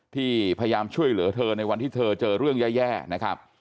ที่พยายามช่วยเหลือเธอในวันที่เธอเจอเรื่องแย่นะครับ